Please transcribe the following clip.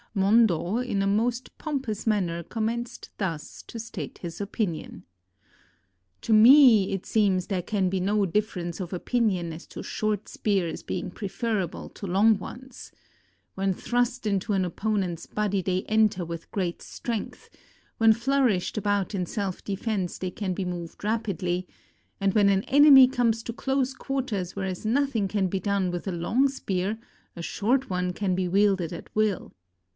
Mondo in a most pompous manner commenced thus to state his opinion: "To me it seems there can be no difference of opinion as to short spears being preferable to long ones. When thrust into an opponent's body they enter with great strength ; when flourished about in self defense they can be moved rapidly; and when an enemy comes to close quarters, whereas nothing can be done with a long spear, a short one can be wielded at will.